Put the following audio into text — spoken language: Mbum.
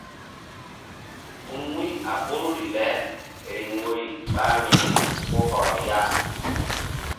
Gun wu̧y a ɓoruri le riŋ woyri ɓa vbi̧ri ko hɔrɔ ya.